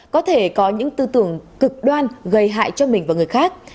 có thể có những tư tưởng cực đoan gây hại cho mình và người khác